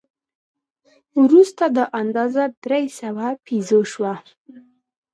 وروسته دا اندازه درې سوه پیزو شوه.